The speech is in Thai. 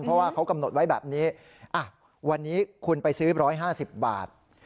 เพราะว่าเขากำหนดไว้แบบนี้วันนี้คุณไปซื้อ๑๕๐บาท